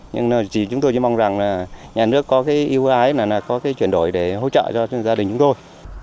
nhưng chúng tôi chỉ mong rằng nhà nước có yêu ái có chuyển đổi để hỗ trợ cho gia đình chúng tôi